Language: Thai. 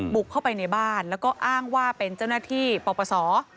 บุกเข้าไปในบ้านแล้วก็อ้างว่าเป็นเจ้าหน้าที่ปปศ